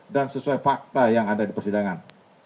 dan sesuai fakta yang ada di persidangan